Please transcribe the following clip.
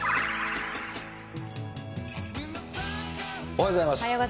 おはようございます。